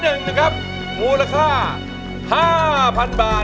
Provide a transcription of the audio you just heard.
ตอนสุดท้ายมันไม่เหมือนกัน